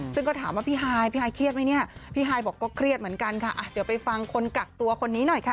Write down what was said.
ซึ่งก็ถามว่าพี่ฮายพี่ฮายเครียดไหมเนี่ยพี่ฮายบอกก็เครียดเหมือนกันค่ะเดี๋ยวไปฟังคนกักตัวคนนี้หน่อยค่ะ